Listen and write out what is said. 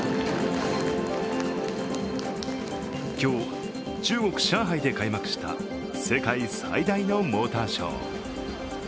今日、中国・上海で開幕した世界最大のモーターショー。